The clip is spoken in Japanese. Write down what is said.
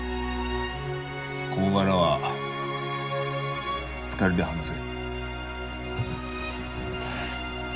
こごがらは２人で話せ。